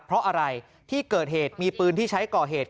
เพราะอะไรที่เกิดเหตุมีปืนที่ใช้ก่อเหตุ